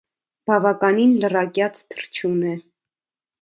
Բավականին լռակյաց թռչուն է։